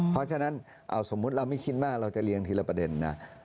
เพราะฉะนั้นสมมุติเราไม่คิดว่าเราจะเรียงทีละประเด็นนะ